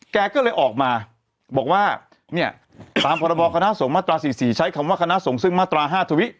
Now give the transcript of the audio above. แกก็เลยออกมาบอกว่าเนี่ยตามพรบคณะสงฆ์มาตรา๔๔ใช้คำว่าคณะสงฆ์ซึ่งมาตรา๕ทวิ